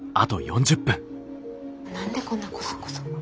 何でこんなコソコソ。